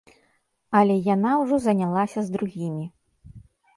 Але яна ўжо занялася з другімі.